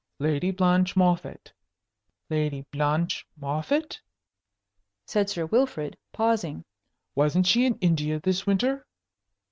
"Lady Blanche Moffatt Lady Blanche Moffatt?" said Sir Wilfrid, pausing. "Wasn't she in India this winter?"